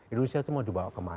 indonesia itu mau dibawa kemana